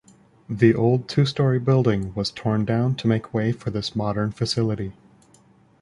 The old two-story building was torn down to make way for this modern facility.